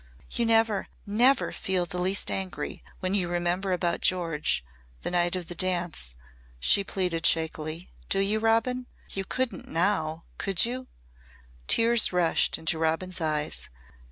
"You never never feel the least angry when you remember about George the night of the dance," she pleaded shakily. "Do you, Robin? You couldn't now! Could you?" Tears rushed into Robin's eyes.